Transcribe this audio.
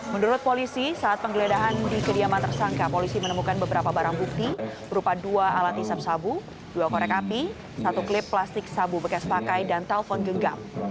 menurut polisi saat penggeledahan di kediaman tersangka polisi menemukan beberapa barang bukti berupa dua alat isap sabu dua korek api satu klip plastik sabu bekas pakai dan telpon genggam